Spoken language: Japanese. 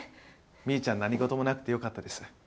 未依ちゃん何事もなくてよかったです。